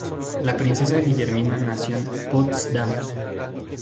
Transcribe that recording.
La princesa Guillermina nació en Potsdam.